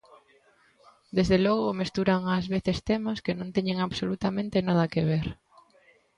Desde logo mesturan ás veces temas que non teñen absolutamente nada que ver.